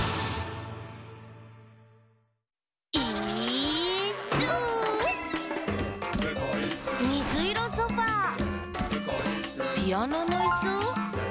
「イーッス」「みずいろソファー」「ピアノのいす？」